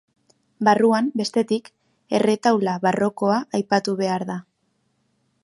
Barruan, bestetik, erretaula barrokoa aipatu behar da.